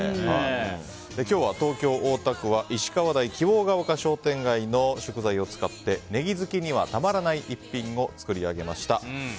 今日は東京・大田区は石川台希望ヶ丘商店街の食材を使ってネギ好きにはたまらない一品を作り上げました。